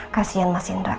kasian mas indra